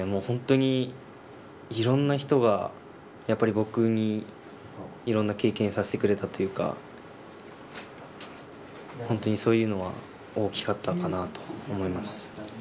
本当にいろんな人が僕にいろんな経験をさせてくれたというかそういうのが大きかったかなと思います。